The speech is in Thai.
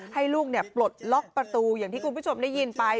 ให้ลูกปลดล็อกประตูอย่างที่คุณผู้ชมได้ยินไป